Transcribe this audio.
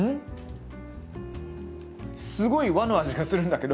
すごい和の味がするんだけど。